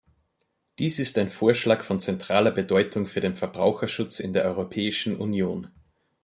Dies ist ein Vorschlag von zentraler Bedeutung für den Verbraucherschutz in der Europäischen Union.